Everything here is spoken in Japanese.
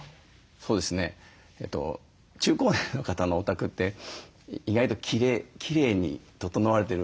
そうですね中高年の方のお宅って意外ときれいに整われてる。